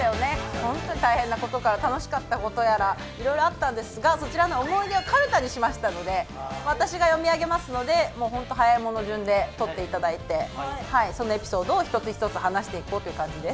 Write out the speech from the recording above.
本当に大変なことから楽しかったことやらいろいろあったんですがそちらの思い出をかるたにしましたので私が読み上げますので本当早い者順で取って頂いてそのエピソードを一つ一つ話していこうっていう感じです。